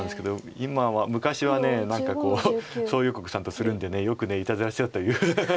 昔は何かこう蘇耀国さんとつるんでよくいたずらしてたという。